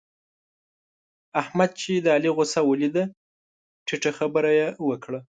احمد چې د علي غوسه وليده؛ ټيټه خبره يې وکړه.